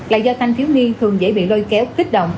là do thanh thiếu niên thường dễ bị lôi kéo kích động